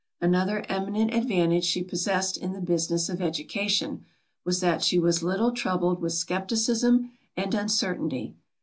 Another eminent advantage she possessed in the business of education, was that she was little troubled with scepticism and uncertainty.